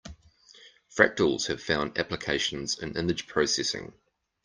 Fractals have found applications in image processing.